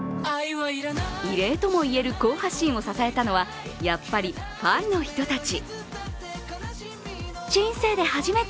異例とも言える好発進を支えたのは、やっぱりファンの人たち。